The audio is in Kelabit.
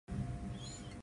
No audio